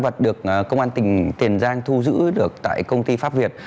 vật được công an tỉnh tiền giang thu giữ được tại công ty pháp việt